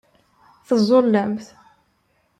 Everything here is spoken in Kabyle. Teẓẓullemt.